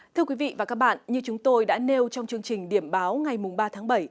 thưa quý vị và các bạn như chúng tôi đã nêu trong chương trình điểm báo ngày ba tháng bảy